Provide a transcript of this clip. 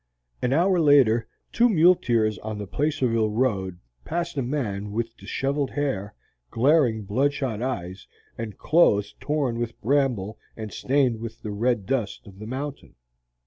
An hour later two muleteers on the Placerville Road passed a man with dishevelled hair, glaring, bloodshot eyes, and clothes torn with bramble and stained with the red dust of the mountain.